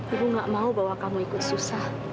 ibu gak mau bawa kamu ikut susah